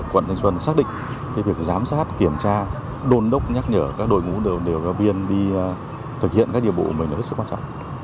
quận thanh xuân xác định việc giám sát kiểm tra đôn đốc nhắc nhở các đội ngũ điều tra viên đi thực hiện các điều bộ của mình là rất quan trọng